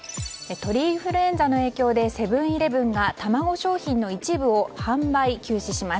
鳥インフルエンザの影響でセブン‐イレブンが卵商品の一部を販売休止します。